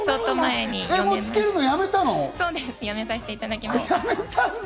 もうつやめさせていただきました。